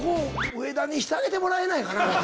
上田にしてあげてもらえないかな？